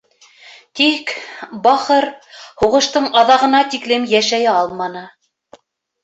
Тик, бахыр, һуғыштың аҙағына тиклем йәшәй алманы.